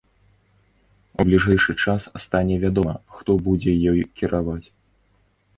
У бліжэйшы час стане вядома, хто будзе ёй кіраваць.